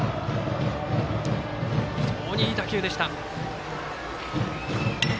非常にいい打球でした。